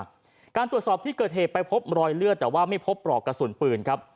การตรวจสอบที่เกิดเหตุไปพบรอยเลือดแต่ว่าไม่พบปลอกกระสุนปืนครับ